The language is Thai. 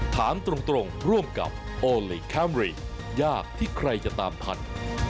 ถามตรงร่วมกับโอลี่คัมรี่ยากที่ใครจะตามทัน